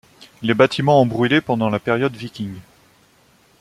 Les bâtiments ont brûlé pendant la période viking.